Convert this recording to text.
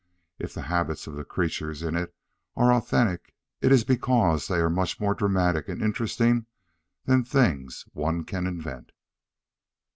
If the habits of the creatures in it are authentic, it is because they are much more dramatic and interesting than things one can invent.